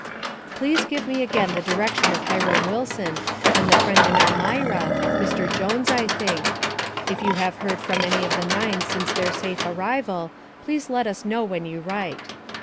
Please give me again the direction of Hiram Wilson and the friend in Elmira, Mr. Jones, I think. If you have heard from any of the nine since their safe arrival, please let us know when you write.